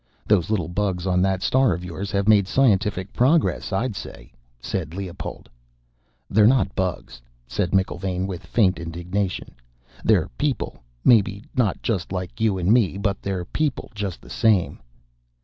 "Those little bugs on that star of yours have made scientific progress, I'd say," said Leopold. "They're not bugs," said McIlvaine with faint indignation. "They're people, maybe not just like you and me, but they're people just the same."